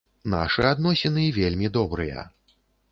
Нашы адносіны вельмі добрыя.